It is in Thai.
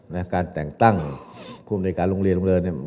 และการแต่งตั้งควบริการโรงเรียนโรงเริน